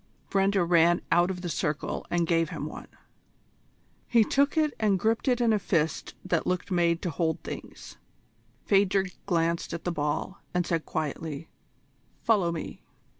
Brenda ran out of the circle and gave him one. He took it and gripped it in a fist that looked made to hold things. Phadrig glanced at the ball, and said quietly: "Follow me!"